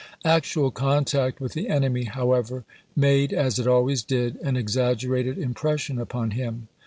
Actual contact with the enemy, however, made, as it always did, an exaggerated impression upon him.